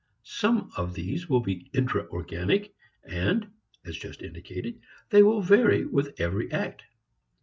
Some of these will be intra organic, and (as just indicated) they will vary with every act.